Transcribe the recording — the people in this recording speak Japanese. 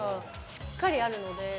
しっかりあるので。